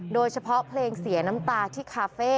โดยเฉพาะเพลงเสียน้ำตาที่คาเฟ่